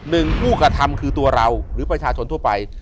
หนึ่งผู้กระทำคือตัวเราหรือประชาชนทั่วไป